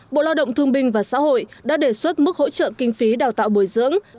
bộ lao động thương binh và xã hội đã đề xuất mức hỗ trợ kinh phí đào tạo bồi dưỡng